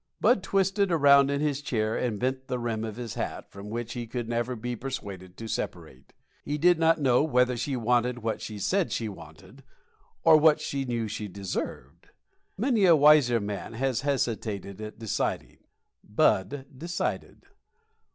Bud twisted around in his chair and bent the rim of his hat, from which he could never be persuaded to separate. He did not know whether she wanted what she said she wanted or what she knew she deserved. Many a wiser man has hesitated at deciding. Bud decided.